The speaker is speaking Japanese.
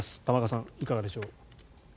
玉川さん、いかがでしょう。